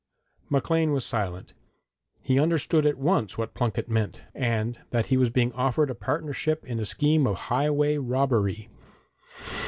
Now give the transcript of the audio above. Maclean was silent. He understood at once what Plunket meant, and that he was being offered a partnership in a scheme of highway robbery.